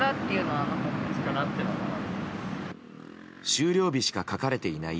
終了日しか書かれていない